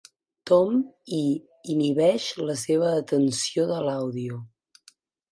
Tom i inhibeix la seva atenció de l'àudio.